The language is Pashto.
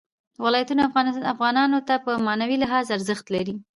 ولایتونه افغانانو ته په معنوي لحاظ ارزښت لري.